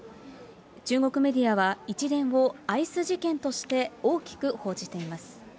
中国メディアは、一連をアイス事件として大きく報じています。